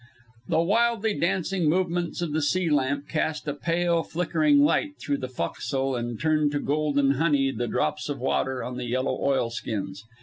The wildly dancing movements of the sea lamp cast a pale, flickering light through the fo'castle and turned to golden honey the drops of water on the yellow oilskins.